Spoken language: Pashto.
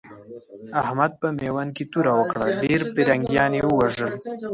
احمد په ميوند کې توره وکړه؛ ډېر پرنګيان يې ووژل.